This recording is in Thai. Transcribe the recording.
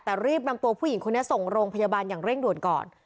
แต่รีบนำตัวผู้หญิงคนนี้ส่งโรงพยาบาลอย่างเร่งด่วนก่อน